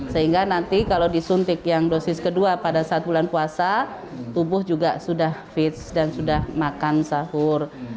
sehingga nanti kalau disuntik yang dosis kedua pada saat bulan puasa tubuh juga sudah fits dan sudah makan sahur